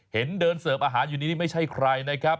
เห็นเดินเสิร์ฟอาหารอยู่นี่นี่ไม่ใช่ใครนะครับ